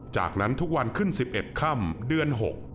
จากนั้นทุกวันขึ้น๑๑ค่ำเดือน๖